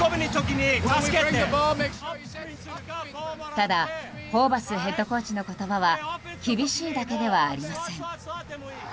ただホーバスヘッドコーチの言葉は厳しいだけではありません。